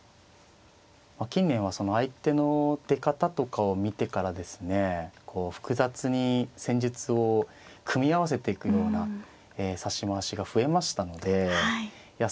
近年はその相手の出方とかを見てからですねこう複雑に戦術を組み合わせていくような指し回しが増えましたのでいや